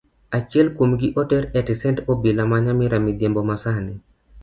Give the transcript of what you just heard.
Achiel kuomgi oter estesend obila ma nyamira midhiambo masani.